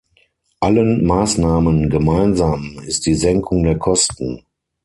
Allen Maßnahmen gemeinsam ist die Senkung der Kosten.